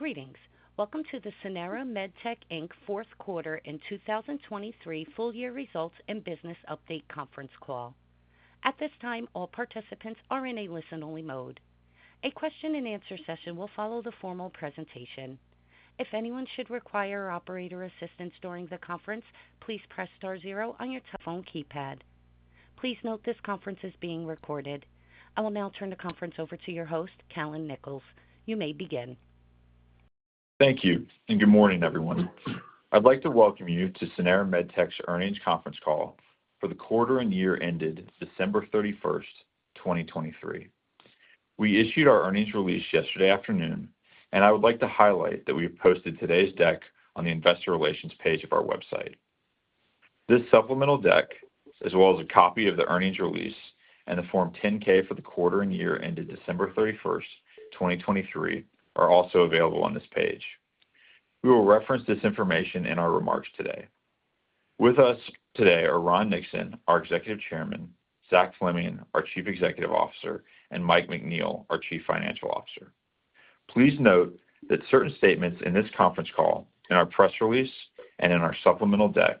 Greetings. Welcome to the Sanara MedTech Inc. fourth quarter and 2023 full-year results and business update conference call. At this time, all participants are in a listen-only mode. A question-and-answer session will follow the formal presentation. If anyone should require operator assistance during the conference, please press star zero on your telephone keypad. Please note this conference is being recorded. I will now turn the conference over to your host, Callon Nichols. You may begin. Thank you, and good morning, everyone. I'd like to welcome you to Sanara MedTech's earnings conference call for the quarter and year ended December 31st, 2023. We issued our earnings release yesterday afternoon, and I would like to highlight that we have posted today's deck on the investor relations page of our website. This supplemental deck, as well as a copy of the earnings release and the Form 10-K for the quarter and year ended December 31st, 2023, are also available on this page. We will reference this information in our remarks today. With us today are Ron Nixon, our Executive Chairman, Zach Fleming, our Chief Executive Officer, and Mike McNeil, our Chief Financial Officer. Please note that certain statements in this conference call, in our press release and in our supplemental deck,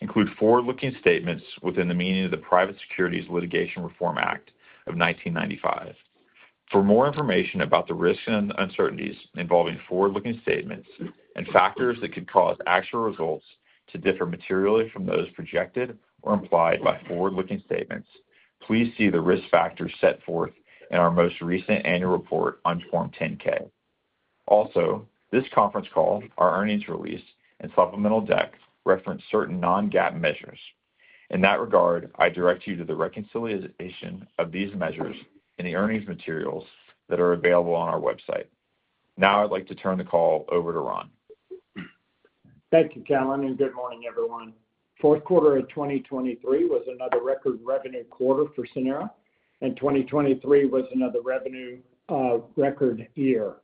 include forward-looking statements within the meaning of the Private Securities Litigation Reform Act of 1995. For more information about the risks and uncertainties involving forward-looking statements and factors that could cause actual results to differ materially from those projected or implied by forward-looking statements, please see the risk factors set forth in our most recent annual report on Form 10-K. Also, this conference call, our earnings release, and supplemental deck reference certain non-GAAP measures. In that regard, I direct you to the reconciliation of these measures in the earnings materials that are available on our website. Now I'd like to turn the call over to Ron. Thank you, Callon, and good morning, everyone. Fourth quarter of 2023 was another record revenue quarter for Sanara, and 2023 was another revenue record year.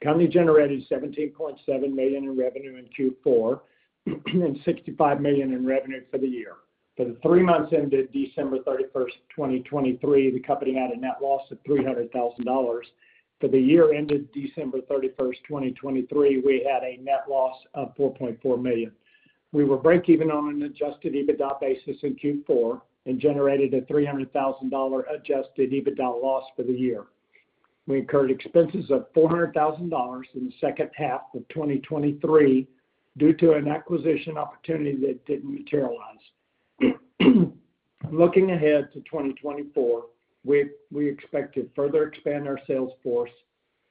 The company generated $17.7 million in revenue in Q4 and $65 million in revenue for the year. For the three months ended December 31st, 2023, the company had a net loss of $300,000. For the year ended December 31st, 2023, we had a net loss of $4.4 million. We were break-even on an Adjusted EBITDA basis in Q4 and generated a $300,000 Adjusted EBITDA loss for the year. We incurred expenses of $400,000 in the second half of 2023 due to an acquisition opportunity that didn't materialize. Looking ahead to 2024, we expect to further expand our sales force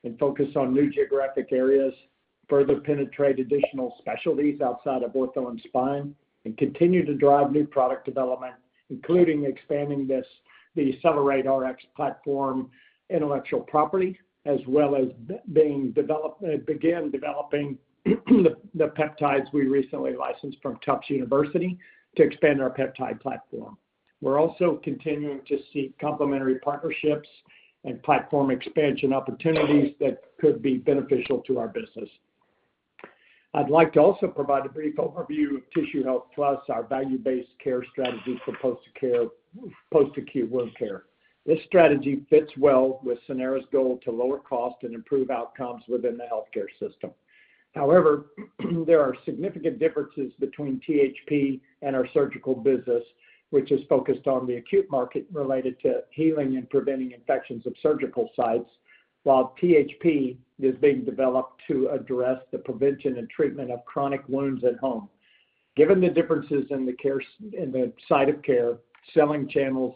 and focus on new geographic areas, further penetrate additional specialties outside of Ortho and Spine, and continue to drive new product development, including expanding the CellerateRX platform intellectual property, as well as begin developing the peptides we recently licensed from Tufts University to expand our peptide platform. We're also continuing to seek complementary partnerships and platform expansion opportunities that could be beneficial to our business. I'd like to also provide a brief overview of Tissue Health Plus, our value-based care strategy for post-acute wound care. This strategy fits well with Sanara's goal to lower cost and improve outcomes within the healthcare system. However, there are significant differences between THP and our surgical business, which is focused on the acute market related to healing and preventing infections of surgical sites, while THP is being developed to address the prevention and treatment of chronic wounds at home. Given the differences in the site of care, selling channels,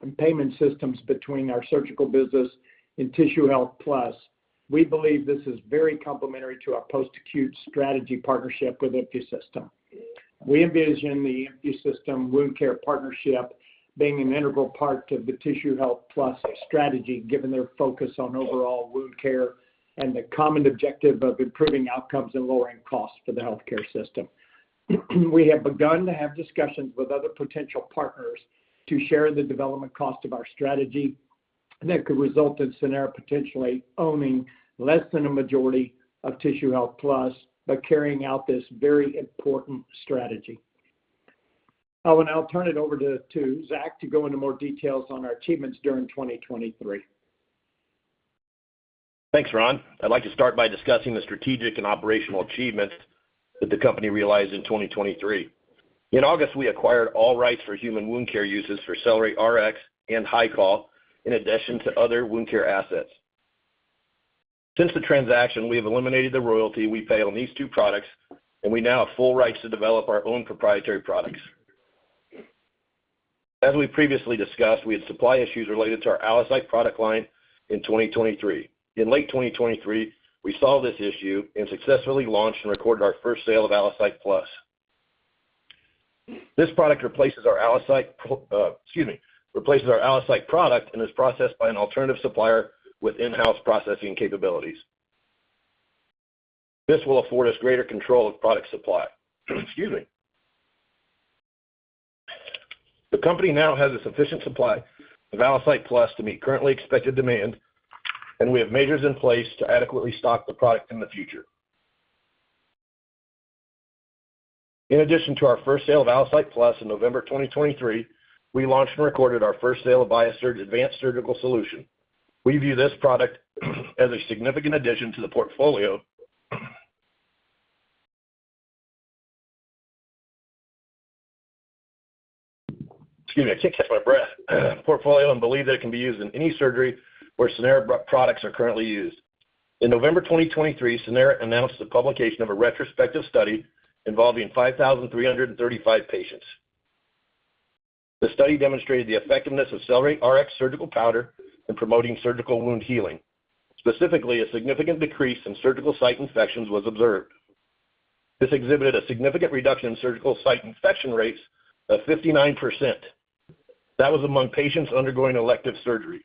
and payment systems between our surgical business and Tissue Health Plus, we believe this is very complementary to our post-acute strategy partnership with InfuSystem. We envision the InfuSystem wound care partnership being an integral part of the Tissue Health Plus strategy, given their focus on overall wound care and the common objective of improving outcomes and lowering costs for the healthcare system. We have begun to have discussions with other potential partners to share the development cost of our strategy that could result in Sanara potentially owning less than a majority of Tissue Health Plus but carrying out this very important strategy. I will now turn it over to Zach to go into more details on our achievements during 2023. Thanks, Ron. I'd like to start by discussing the strategic and operational achievements that the company realized in 2023. In August, we acquired all rights for human wound care uses for CellerateRX and HYCOL, in addition to other wound care assets. Since the transaction, we have eliminated the royalty we pay on these two products, and we now have full rights to develop our own proprietary products. As we previously discussed, we had supply issues related to our Allocyte product line in 2023. In late 2023, we solved this issue and successfully launched and recorded our first sale of Allocyte Plus. This product replaces our Allocyte, excuse me, replaces our Allocyte product and is processed by an alternative supplier with in-house processing capabilities. This will afford us greater control of product supply. Excuse me. The company now has a sufficient supply of Allocyte Plus to meet currently expected demand, and we have measures in place to adequately stock the product in the future. In addition to our first sale of Allocyte Plus in November 2023, we launched and recorded our first sale of BIASURGE Advanced Surgical Solution. We view this product as a significant addition to the portfolio, excuse me, I can't catch my breath, portfolio and believe that it can be used in any surgery where Sanara products are currently used. In November 2023, Sanara announced the publication of a retrospective study involving 5,335 patients. The study demonstrated the effectiveness of CellerateRX Surgical Powder in promoting surgical wound healing. Specifically, a significant decrease in surgical site infections was observed. This exhibited a significant reduction in surgical site infection rates of 59%. That was among patients undergoing elective surgery.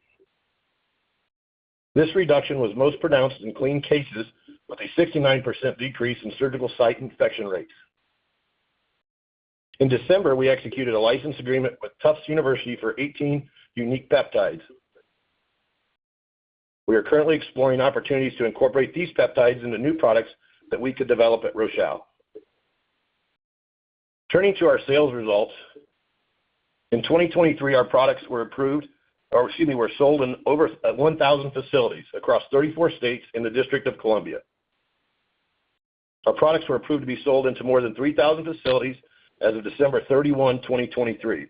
This reduction was most pronounced in clean cases, with a 69% decrease in surgical site infection rates. In December, we executed a license agreement with Tufts University for 18 unique peptides. We are currently exploring opportunities to incorporate these peptides into new products that we could develop at Rochal Industries. Turning to our sales results, in 2023, our products were approved, or excuse me, were sold in over 1,000 facilities across a. 34 states and the District of Columbia Our products were approved to be sold into more than 3,000 facilities as of December 31, 2023.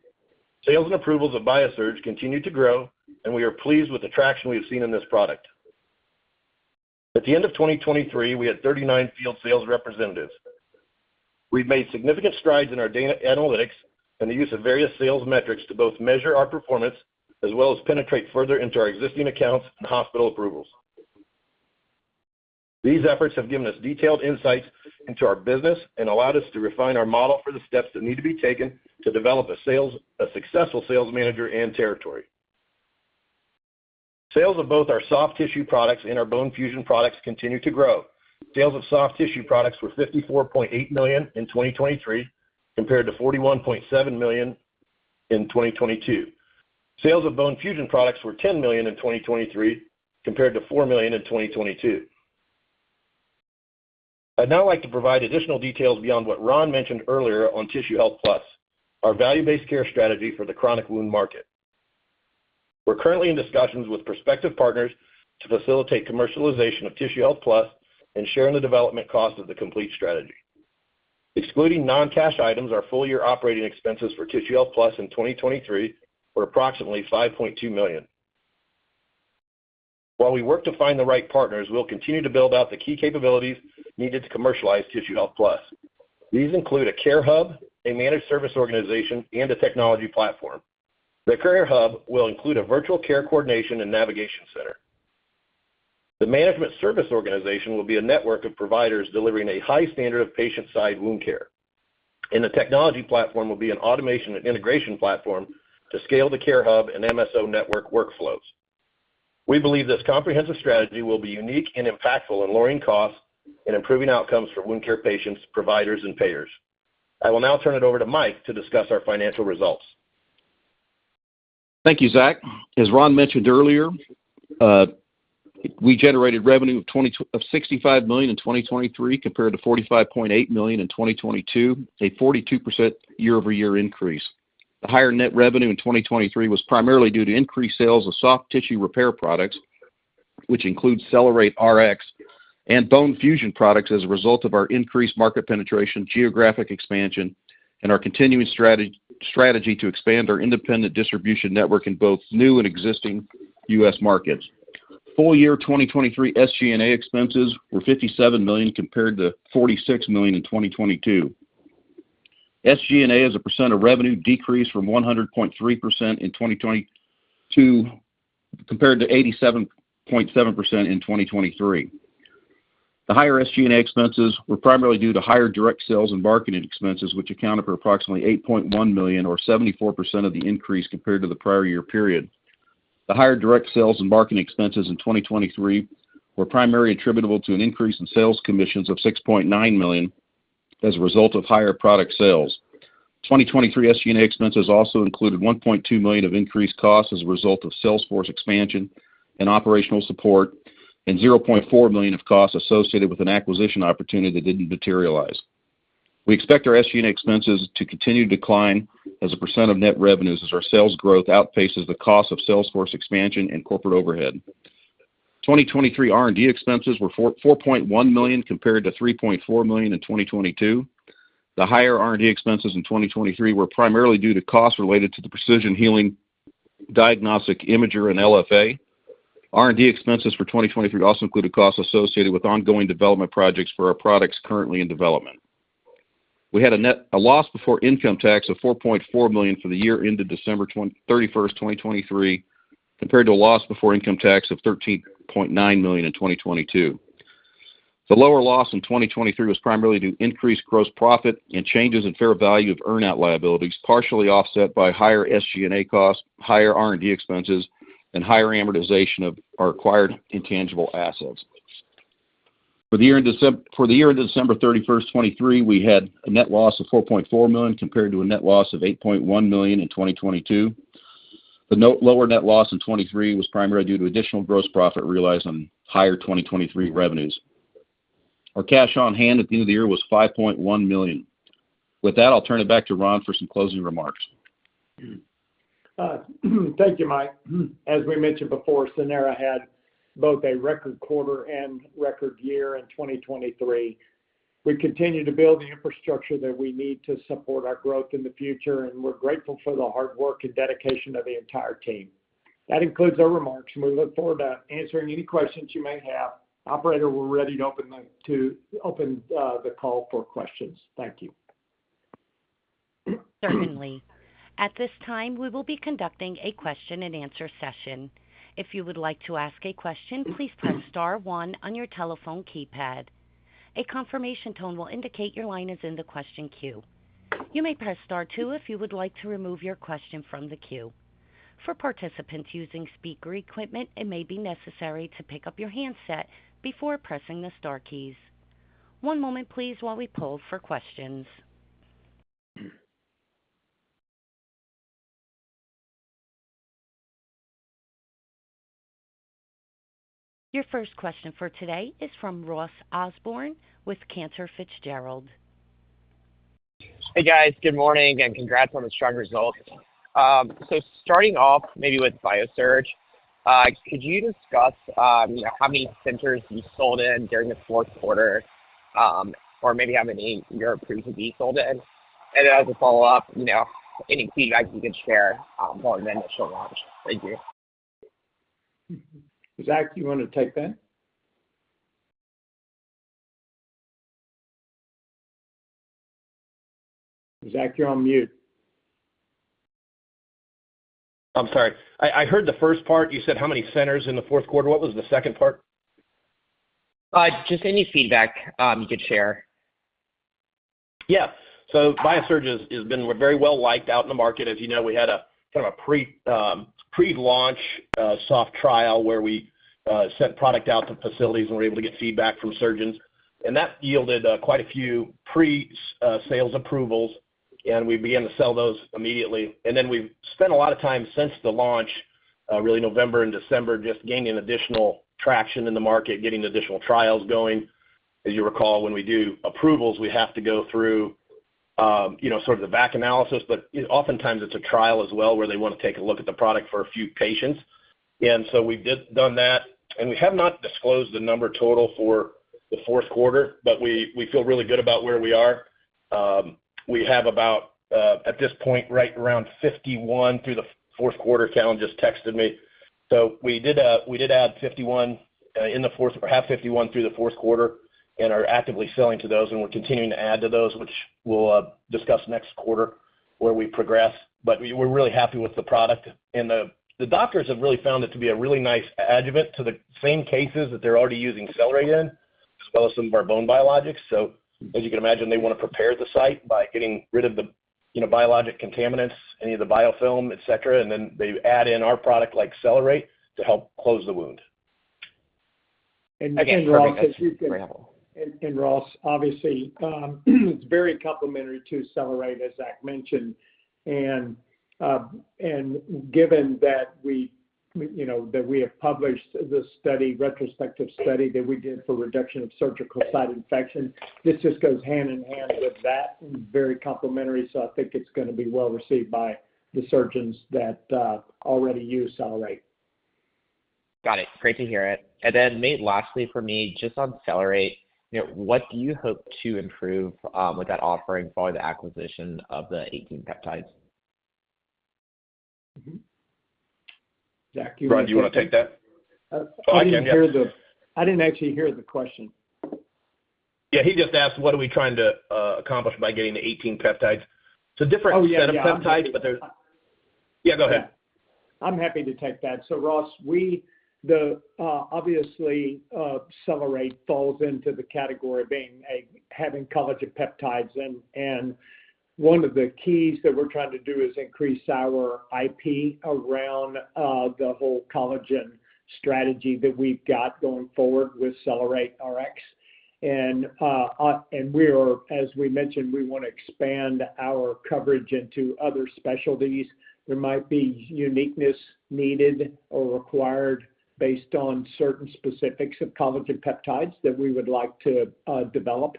Sales and approvals of BIASURGE continued to grow, and we are pleased with the traction we have seen in this product. At the end of 2023, we had 39 field sales representatives. We've made significant strides in our data analytics and the use of various sales metrics to both measure our performance as well as penetrate further into our existing accounts and hospital approvals. These efforts have given us detailed insights into our business and allowed us to refine our model for the steps that need to be taken to develop a successful sales manager and territory. Sales of both our soft tissue products and our bone fusion products continue to grow. Sales of soft tissue products were $54.8 million in 2023 compared to $41.7 million in 2022. Sales of bone fusion products were $10 million in 2023 compared to $4 million in 2022. I'd now like to provide additional details beyond what Ron mentioned earlier on Tissue Health Plus, our value-based care strategy for the chronic wound market. We're currently in discussions with prospective partners to facilitate commercialization of Tissue Health Plus and share in the development cost of the complete strategy. Excluding non-cash items, our full-year operating expenses for Tissue Health Plus in 2023 were approximately $5.2 million. While we work to find the right partners, we'll continue to build out the key capabilities needed to commercialize Tissue Health Plus. These include a Care Hub, a Management Services Organization, and a Technology Platform. The Care Hub will include a virtual care coordination and navigation center. The Management Services Organization will be a network of providers delivering a high standard of patient-side wound care. The Technology Platform will be an automation and integration platform to scale the Care Hub and MSO network workflows. We believe this comprehensive strategy will be unique and impactful in lowering costs and improving outcomes for wound care patients, providers, and payers. I will now turn it over to Mike to discuss our financial results. Thank you, Zach. As Ron mentioned earlier, we generated revenue of $65 million in 2023 compared to $45.8 million in 2022, a 42% year-over-year increase. The higher net revenue in 2023 was primarily due to increased sales of soft tissue repair products, which include CellerateRX, and bone fusion products as a result of our increased market penetration, geographic expansion, and our continuing strategy to expand our independent distribution network in both new and existing US markets. Full-year 2023 SG&A expenses were $57 million compared to $46 million in 2022. SG&A is a percent of revenue decrease from 100.3% in 2022 compared to 87.7% in 2023. The higher SG&A expenses were primarily due to higher direct sales and marketing expenses, which accounted for approximately $8.1 million or 74% of the increase compared to the prior year period. The higher direct sales and marketing expenses in 2023 were primarily attributable to an increase in sales commissions of $6.9 million as a result of higher product sales. 2023 SG&A expenses also included $1.2 million of increased costs as a result of Salesforce expansion and operational support and $0.4 million of costs associated with an acquisition opportunity that didn't materialize. We expect our SG&A expenses to continue to decline as a % of net revenues as our sales growth outpaces the cost of Salesforce expansion and corporate overhead. 2023 R&D expenses were $4.1 million compared to $3.4 million in 2022. The higher R&D expenses in 2023 were primarily due to costs related to the Precision Healing Diagnostic Imager and LFA. R&D expenses for 2023 also included costs associated with ongoing development projects for our products currently in development. We had a loss before income tax of $4.4 million for the year ended December 31st, 2023, compared to a loss before income tax of $13.9 million in 2022. The lower loss in 2023 was primarily due to increased gross profit and changes in fair value of earnout liabilities, partially offset by higher SG&A costs, higher R&D expenses, and higher amortization of our acquired intangible assets. For the year ended December 31st, 2023, we had a net loss of $4.4 million compared to a net loss of $8.1 million in 2022. The lower net loss in 2023 was primarily due to additional gross profit realized on higher 2023 revenues. Our cash on hand at the end of the year was $5.1 million. With that, I'll turn it back to Ron for some closing remarks. Thank you, Mike. As we mentioned before, Sanara had both a record quarter and record year in 2023. We continue to build the infrastructure that we need to support our growth in the future, and we're grateful for the hard work and dedication of the entire team. That includes our remarks, and we look forward to answering any questions you may have. Operator, we're ready to open the call for questions. Thank you. Certainly. At this time, we will be conducting a question-and-answer session. If you would like to ask a question, please press star 1 on your telephone keypad. A confirmation tone will indicate your line is in the question queue. You may press star 2 if you would like to remove your question from the queue. For participants using speaker equipment, it may be necessary to pick up your handset before pressing the star keys. One moment, please, while we pull for questions. Your first question for today is from Ross Osborn with Cantor Fitzgerald. Hey, guys. Good morning and congrats on the strong results. So starting off maybe with BIASURGE, could you discuss how many centers you sold in during the fourth quarter, or maybe how many you're approved to be sold in? And then as a follow-up, any feedback you could share following the initial launch. Thank you. Zach, do you want to take that? Zach, you're on mute. I'm sorry. I heard the first part. You said how many centers in the fourth quarter. What was the second part? Just any feedback you could share. Yeah. So BIASURGE has been very well-liked out in the market. As you know, we had kind of a pre-launch soft trial where we sent product out to facilities and were able to get feedback from surgeons. And that yielded quite a few pre-sales approvals, and we began to sell those immediately. And then we've spent a lot of time since the launch, really November and December, just gaining additional traction in the market, getting additional trials going. As you recall, when we do approvals, we have to go through sort of the back analysis, but oftentimes it's a trial as well where they want to take a look at the product for a few patients. And so we've done that. And we have not disclosed the number total for the fourth quarter, but we feel really good about where we are. We have about, at this point, right around 51 through the fourth quarter. Cal just texted me. So we did add 51 in the fourth or have 51 through the fourth quarter, and are actively selling to those. And we're continuing to add to those, which we'll discuss next quarter where we progress. But we're really happy with the product. And the doctors have really found it to be a really nice adjuvant to the same cases that they're already using Cellerate in as well as some of our bone biologics. So as you can imagine, they want to prepare the site by getting rid of the biologic contaminants, any of the biofilm, etc. And then they add in our product like Cellerate to help close the wound. Ross, obviously, it's very complementary to Cellerate, as Zach mentioned. Given that we have published the retrospective study that we did for reduction of surgical site infection, this just goes hand in hand with that and very complementary. I think it's going to be well received by the surgeons that already use Cellerate. Got it. Great to hear it. And then maybe lastly for me, just on Cellerate, what do you hope to improve with that offering following the acquisition of the 18 peptides? Zach, you want to take that? Ron, do you want to take that? I didn't actually hear the question. Yeah. He just asked, "What are we trying to accomplish by getting the 18 peptides?" It's a different set of peptides, but there's yeah, go ahead. I'm happy to take that. So Ross, obviously, CellerateRX falls into the category of having collagen peptides. And one of the keys that we're trying to do is increase our IP around the whole collagen strategy that we've got going forward with CellerateRX. And as we mentioned, we want to expand our coverage into other specialties. There might be uniqueness needed or required based on certain specifics of collagen peptides that we would like to develop.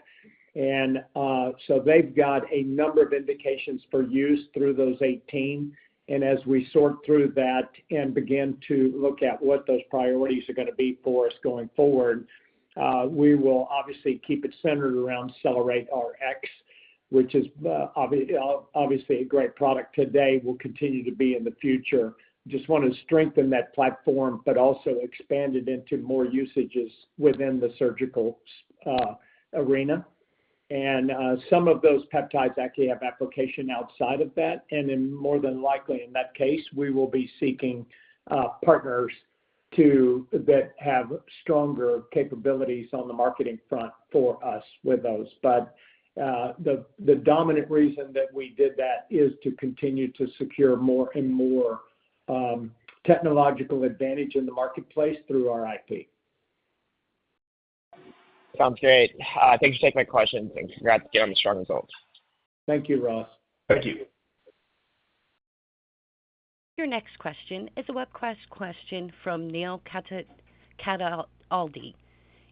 And so they've got a number of indications for use through those 18. And as we sort through that and begin to look at what those priorities are going to be for us going forward, we will obviously keep it centered around CellerateRX, which is obviously a great product today. It will continue to be in the future. Just want to strengthen that platform but also expand it into more usages within the surgical arena. Some of those peptides actually have application outside of that. More than likely, in that case, we will be seeking partners that have stronger capabilities on the marketing front for us with those. The dominant reason that we did that is to continue to secure more and more technological advantage in the marketplace through our IP. Sounds great. Thanks for taking my questions, and congrats again on the strong results. Thank you, Ross. Thank you. Your next question is from Neil Cataldi.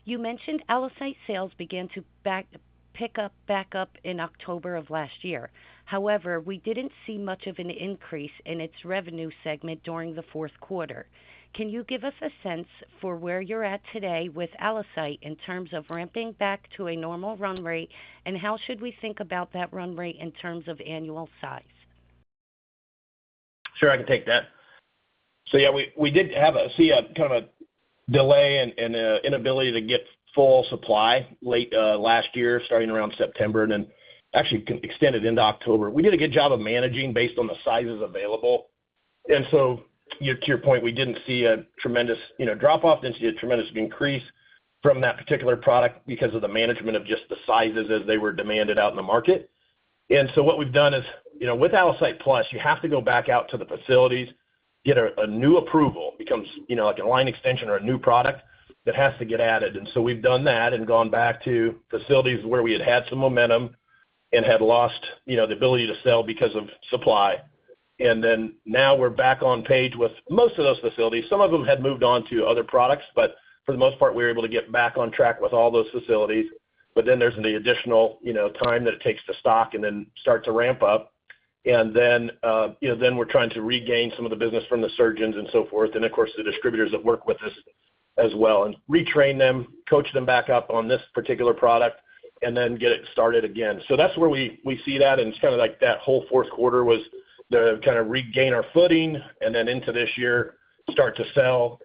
You mentioned Allocyte sales began to pick up back up in October of last year. However, we didn't see much of an increase in its revenue segment during the fourth quarter. Can you give us a sense for where you're at today with Allocyte in terms of ramping back to a normal run rate, and how should we think about that run rate in terms of annual size? Sure. I can take that. So yeah, we did see kind of a delay and inability to get full supply late last year, starting around September, and then actually extended into October. We did a good job of managing based on the sizes available. And so to your point, we didn't see a tremendous drop-off. Then she had a tremendous increase from that particular product because of the management of just the sizes as they were demanded out in the market. And so what we've done is, with Allocyte Plus, you have to go back out to the facilities, get a new approval, becomes like a line extension or a new product that has to get added. And so we've done that and gone back to facilities where we had had some momentum and had lost the ability to sell because of supply. And then now we're back on page with most of those facilities. Some of them had moved on to other products, but for the most part, we were able to get back on track with all those facilities. But then there's the additional time that it takes to stock and then start to ramp up. And then we're trying to regain some of the business from the surgeons and so forth. And of course, the distributors that work with us as well, and retrain them, coach them back up on this particular product, and then get it started again. So that's where we see that. And it's kind of like that whole fourth quarter was to kind of regain our footing and then into this year, start to sell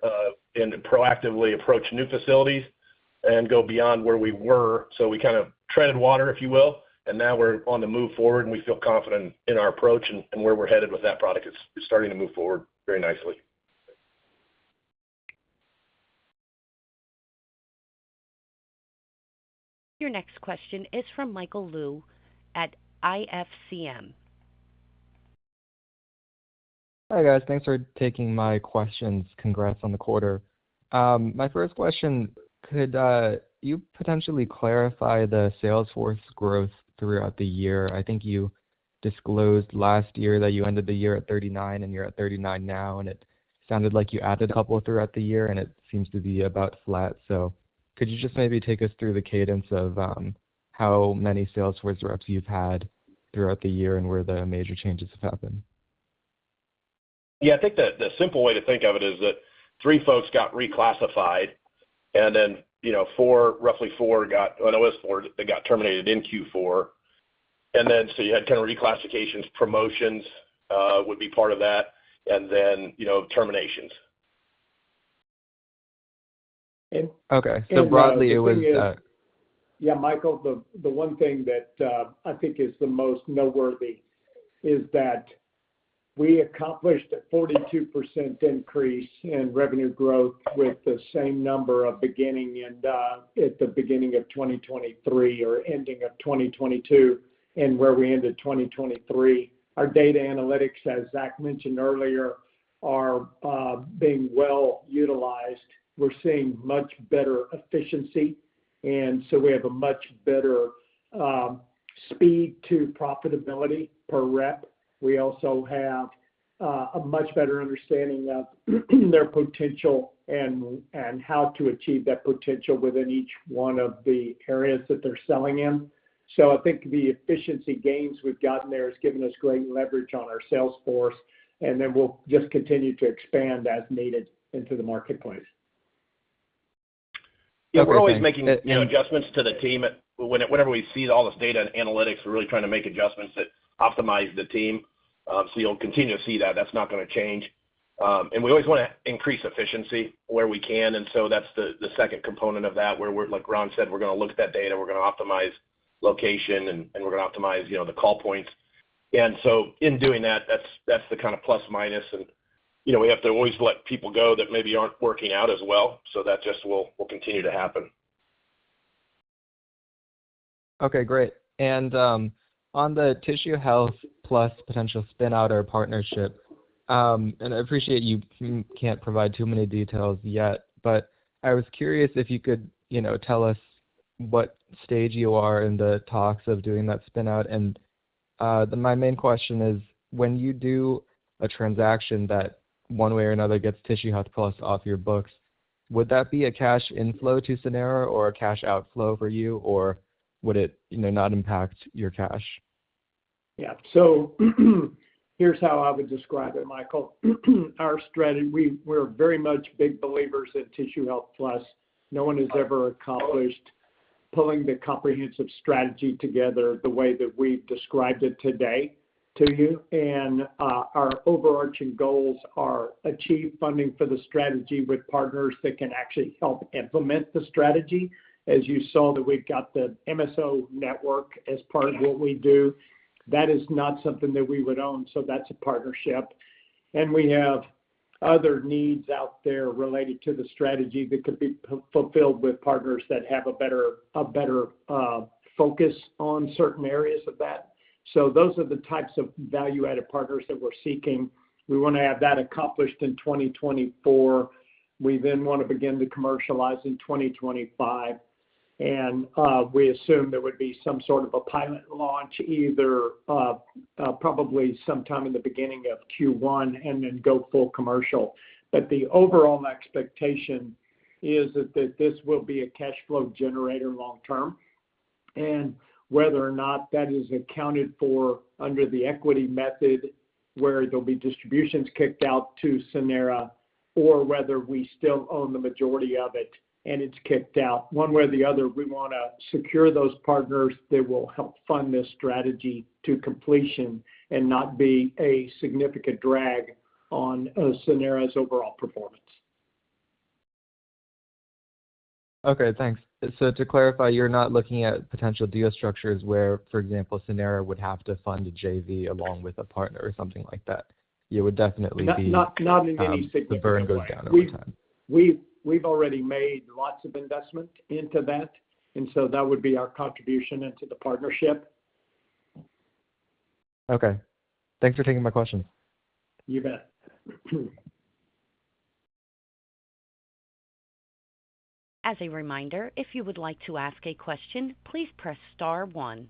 and proactively approach new facilities and go beyond where we were. So we kind of treaded water, if you will. Now we're on the move forward, and we feel confident in our approach and where we're headed with that product. It's starting to move forward very nicely. Your next question is from Michael Liu at IFCM. Hi guys. Thanks for taking my questions. Congrats on the quarter. My first question, could you potentially clarify the sales force growth throughout the year? I think you disclosed last year that you ended the year at 39, and you're at 39 now. It sounded like you added a couple throughout the year, and it seems to be about flat. Could you just maybe take us through the cadence of how many sales force reps you've had throughout the year and where the major changes have happened? Yeah. I think the simple way to think of it is that 3 folks got reclassified, and then roughly 4 got no, it was 4 that got terminated in Q4. And then so you had kind of reclassifications. Promotions would be part of that, and then terminations. Okay. Broadly, it was. Yeah, Michael, the one thing that I think is the most noteworthy is that we accomplished a 42% increase in revenue growth with the same number at the beginning of 2023 or ending of 2022 and where we ended 2023. Our data analytics, as Zach mentioned earlier, are being well utilized. We're seeing much better efficiency. And so we have a much better speed to profitability per rep. We also have a much better understanding of their potential and how to achieve that potential within each one of the areas that they're selling in. So I think the efficiency gains we've gotten there have given us great leverage on our sales force. And then we'll just continue to expand as needed into the marketplace. Yeah. We're always making adjustments to the team. Whenever we see all this data and analytics, we're really trying to make adjustments that optimize the team. So you'll continue to see that. That's not going to change. We always want to increase efficiency where we can. So that's the second component of that, where Ron said, "We're going to look at that data. We're going to optimize location, and we're going to optimize the call points." And so in doing that, that's the kind of plus-minus. We have to always let people go that maybe aren't working out as well. So that just will continue to happen. Okay. Great. And on the tissue health plus potential spinout or partnership, and I appreciate you can't provide too many details yet, but I was curious if you could tell us what stage you are in the talks of doing that spinout. And my main question is, when you do a transaction that one way or another gets tissue health plus off your books, would that be a cash inflow to Sanara or a cash outflow for you, or would it not impact your cash? Yeah. So here's how I would describe it, Michael. We're very much big believers in Tissue Health Plus. No one has ever accomplished pulling the comprehensive strategy together the way that we've described it today to you. And our overarching goals are achieve funding for the strategy with partners that can actually help implement the strategy. As you saw, that we've got the MSO network as part of what we do, that is not something that we would own. So that's a partnership. And we have other needs out there related to the strategy that could be fulfilled with partners that have a better focus on certain areas of that. So those are the types of value-added partners that we're seeking. We want to have that accomplished in 2024. We then want to begin to commercialize in 2025. We assume there would be some sort of a pilot launch either probably sometime in the beginning of Q1 and then go full commercial. The overall expectation is that this will be a cash flow generator long term. Whether or not that is accounted for under the equity method where there'll be distributions kicked out to Sanara or whether we still own the majority of it and it's kicked out, one way or the other, we want to secure those partners that will help fund this strategy to completion and not be a significant drag on Sanara's overall performance. Okay. Thanks. So to clarify, you're not looking at potential deal structures where, for example, Sanara would have to fund a JV along with a partner or something like that. It would definitely be. Not in any significant way. The burn goes down over time. We've already made lots of investment into that. And so that would be our contribution into the partnership. Okay. Thanks for taking my questions. You bet. As a reminder, if you would like to ask a question, please press star one.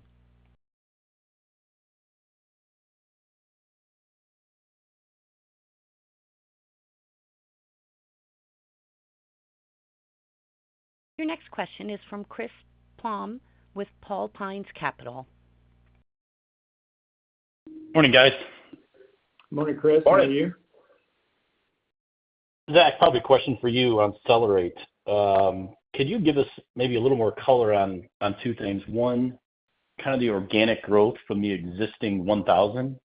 Your next question is from Chris Plamp with Paulson Investment Company. Morning, guys. Morning, Chris. How are you? Zach, probably a question for you on CellerateRX. Could you give us maybe a little more color on two things? One, kind of the organic growth from the existing 1,000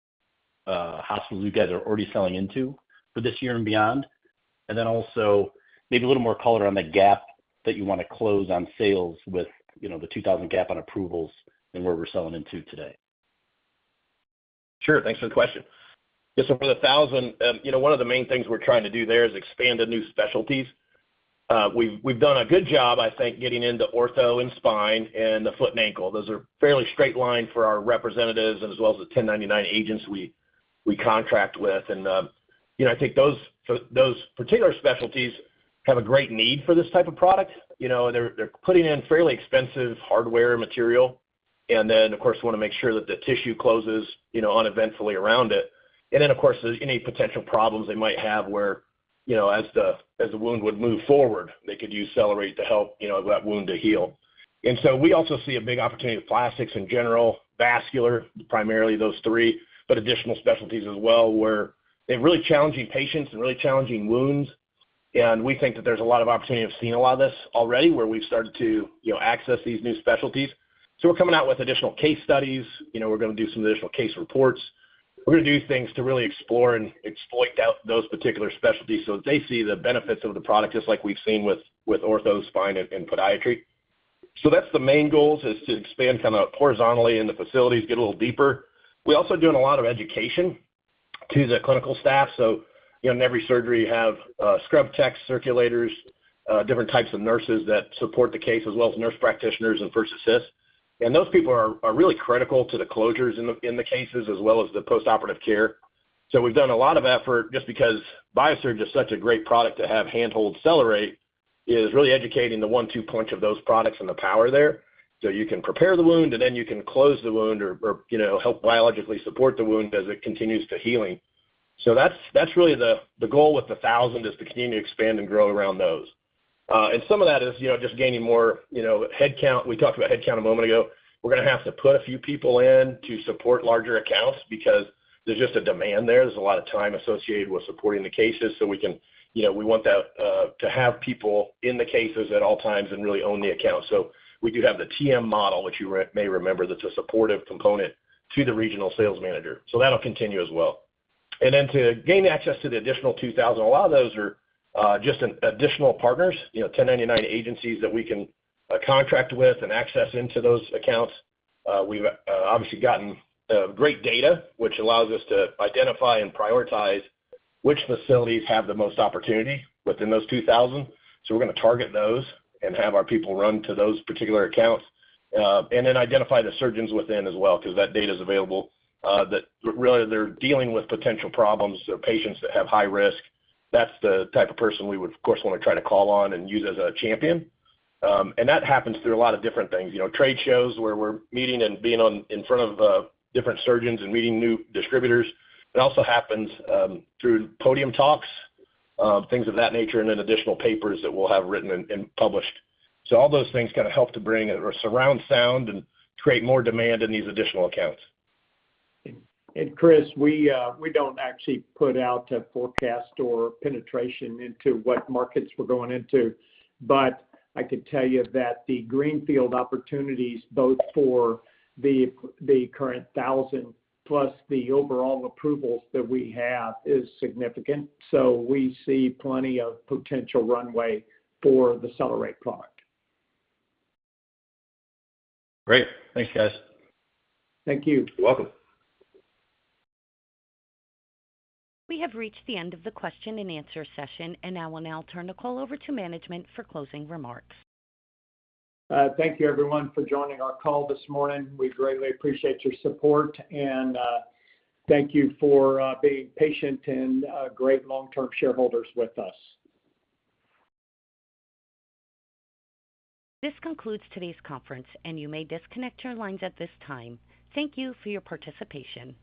hospitals you guys are already selling into for this year and beyond, and then also maybe a little more color on the gap that you want to close on sales with the 2,000 gap on approvals and where we're selling into today. Sure. Thanks for the question. Yeah. So for the 1,000, one of the main things we're trying to do there is expand to new specialties. We've done a good job, I think, getting into ortho and spine and the foot and ankle. Those are fairly straight lines for our representatives as well as the 1099 agents we contract with. And I think those particular specialties have a great need for this type of product. They're putting in fairly expensive hardware and material. And then, of course, we want to make sure that the tissue closes uneventfully around it. And then, of course, any potential problems they might have whereas the wound would move forward, they could use Cellerate to help that wound heal. And so we also see a big opportunity with plastics in general, vascular, primarily those three, but additional specialties as well where they're really challenging patients and really challenging wounds. And we think that there's a lot of opportunity of seeing a lot of this already where we've started to access these new specialties. So we're coming out with additional case studies. We're going to do some additional case reports. We're going to do things to really explore and exploit those particular specialties so that they see the benefits of the product just like we've seen with ortho, spine, and podiatry. So that's the main goals is to expand kind of horizontally in the facilities, get a little deeper. We're also doing a lot of education to the clinical staff. So in every surgery, you have scrub techs, circulators, different types of nurses that support the case as well as nurse practitioners and first assist. And those people are really critical to the closures in the cases as well as the postoperative care. So we've done a lot of effort just because BIASURGE is such a great product to have hand-hold CellerateRX is really educating the one, two punch of those products and the power there. So you can prepare the wound, and then you can close the wound or help biologically support the wound as it continues to healing. So that's really the goal with the 1,000 is to continue to expand and grow around those. And some of that is just gaining more headcount. We talked about headcount a moment ago. We're going to have to put a few people in to support larger accounts because there's just a demand there. There's a lot of time associated with supporting the cases. So we want that to have people in the cases at all times and really own the account. So we do have the TM model, which you may remember, that's a supportive component to the regional sales manager. So that'll continue as well. And then to gain access to the additional 2,000, a lot of those are just additional partners, 1099 agencies that we can contract with and access into those accounts. We've obviously gotten great data, which allows us to identify and prioritize which facilities have the most opportunity within those 2,000. So we're going to target those and have our people run to those particular accounts and then identify the surgeons within as well because that data is available. Really, they're dealing with potential problems. They're patients that have high risk. That's the type of person we would, of course, want to try to call on and use as a champion. And that happens through a lot of different things, trade shows where we're meeting and being in front of different surgeons and meeting new distributors. It also happens through podium talks, things of that nature, and then additional papers that we'll have written and published. So all those things kind of help to surround sound and create more demand in these additional accounts. Chris, we don't actually put out a forecast or penetration into what markets we're going into, but I can tell you that the greenfield opportunities both for the current 1,000 plus the overall approvals that we have is significant. So we see plenty of potential runway for the CellerateRX product. Great. Thanks, guys. Thank you. You're welcome. We have reached the end of the question and answer session, and now I'll turn the call over to management for closing remarks. Thank you, everyone, for joining our call this morning. We greatly appreciate your support, and thank you for being patient and great long-term shareholders with us. This concludes today's conference, and you may disconnect your lines at this time. Thank you for your participation.